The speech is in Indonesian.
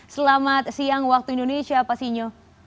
selamat siang waktu indonesia pak sinyo